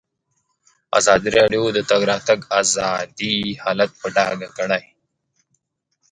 ازادي راډیو د د تګ راتګ ازادي حالت په ډاګه کړی.